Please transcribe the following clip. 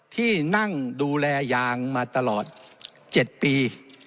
ที่นั่งดูแลยางมาตลอด๗ปี